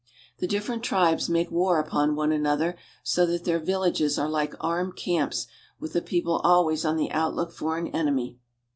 The different tribes make war upon one another, so that their villages are like armed camps with the people always on the outlook for an enemy.